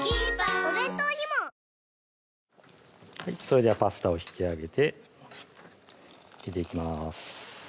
それではパスタを引き上げて入れていきます